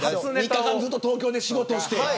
３日間東京で仕事して。